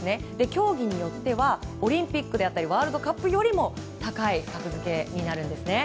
競技によってはオリンピックであったりワールドカップよりも高い格付けになるんですね。